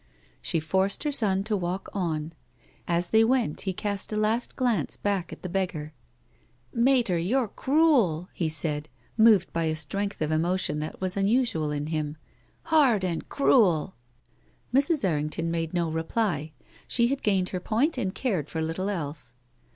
She forced her son to walk on. As they went he cast a last glance back at the beggar. "Mater, you're cruel!" he said, moved by a strength of emotion that was unusual in him — "hard and cruel !" Mrs. Errington made no reply. She had gained her point, and cared for little else.